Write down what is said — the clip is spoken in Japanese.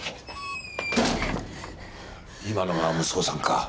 今のが息子さんか。